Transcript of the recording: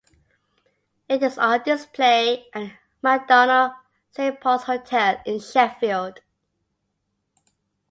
It is on display at the Macdonald Saint Paul's Hotel in Sheffield.